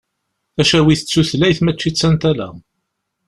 Tacawit d tutlayt mačči d tantala.